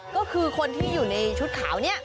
ก็คือคนที่อยู่ในชุดขาวเนี่ย